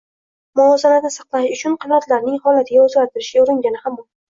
muvozanatni saqlash uchun qanotlarining holatini o‘zgartirishga uringani hamon